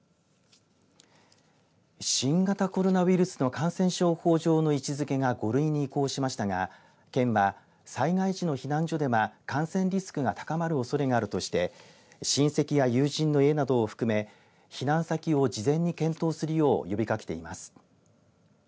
新型コロナウイルスの感染症法上の位置づけが５類に移行しましたが県は災害時の避難所では感染リスクが高まるおそれがあるとして親戚や友人の家などを含め避難先を事前に検討するよう呼びかけています。